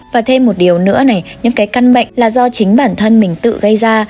và thêm một điều nữa này những cái căn bệnh là do chính bản thân mình tự gây ra